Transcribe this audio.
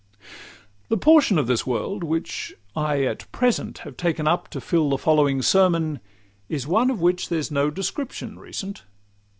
The portion of this world which I at present Have taken up to fill the following sermon, Is one of which there's no description recent.